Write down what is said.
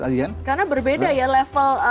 karena berbeda ya level